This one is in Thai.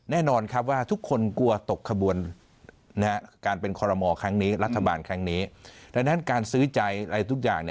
แน่นอนครับว่าทุกคนกลัวตกขบวนการเป็นคอรมอครั้งนี้รัฐบาลครั้งนี้ดังนั้นการซื้อใจอะไรทุกอย่าง